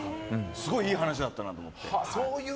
すごいいい話だったなと思って。